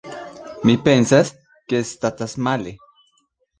Mi pensas, ke statas male.